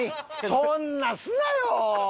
そんなすなよ！